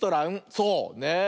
そうねえ。